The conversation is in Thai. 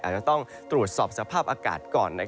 อาจจะต้องตรวจสอบสภาพอากาศก่อน